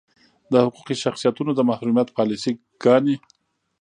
د حقوقي شخصیتونو د محرومیت پالیسي ګانې.